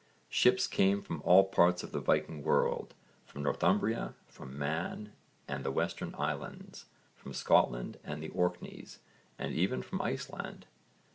Ships came from all parts of the Viking world, from Northumbria, from Man and the Western Islands, from Scotland and the Orkneys, and even from Iceland.